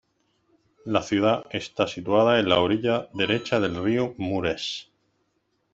La ciudad está situada en la orilla derecha del río Mureş.